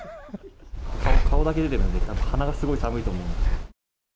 顔だけ出てるんで、たぶん鼻がすごい寒いと思います。